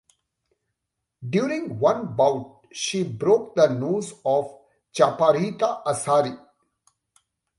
During one bout, she broke the nose of Chaparita Asari.